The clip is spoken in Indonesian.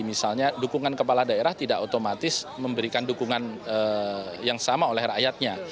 misalnya dukungan kepala daerah tidak otomatis memberikan dukungan yang sama oleh rakyatnya